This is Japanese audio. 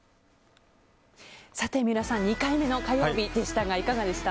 さて皆さん、２回目の火曜日でしたが、いかがでした？